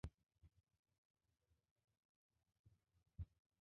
মুসলমানদের ব্যাপারে মেয়েটির কোনই আগ্রহ ছিল না।